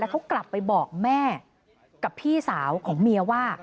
เขากลับไปบอกแม่กับพี่สาวของเมียว่า